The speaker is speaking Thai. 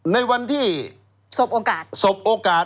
ในวันที่สบโอกาส